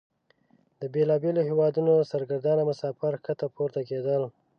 د بیلابیلو هیوادونو سرګردانه مسافر ښکته پورته کیدل.